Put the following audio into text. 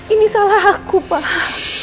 ini salah aku pak